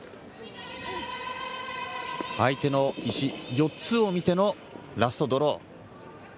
相手の石４つを見てのラストドロー。